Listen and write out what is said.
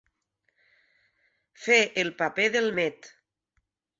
Fer el paper del met.